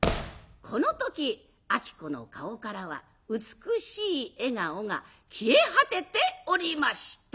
この時子の顔からは美しい笑顔が消え果てておりました。